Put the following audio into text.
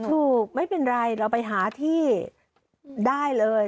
ถูกไม่เป็นไรเราไปหาที่ได้เลย